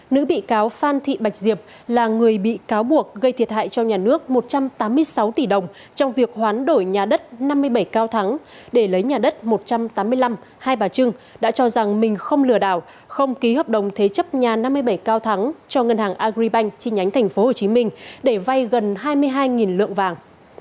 nữ bị cáo phan thị bạch diệp là người bị cáo buộc gây thiệt hại cho nhà nước một trăm tám mươi sáu tỷ đồng trong việc hoán đổi nhà đất năm mươi bảy cao thắng để lấy nhà đất một trăm tám mươi năm hai bà trưng đã cho rằng mình không lừa đảo không ký hợp đồng thế chấp nhà năm mươi bảy cao thắng cho ngân hàng agribank trên nhánh thành phố hồ chí minh để vay gần hai mươi hai lượng vàng